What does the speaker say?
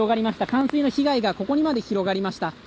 冠水の被害がここにまで広がりました。